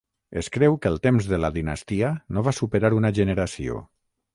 Es creu que el temps de la dinastia no va superar una generació.